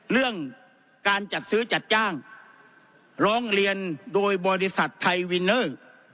เรื่องการจัดซื้อจัดจ้างร้องเรียนโดยบริษัทไทยวินเนอร์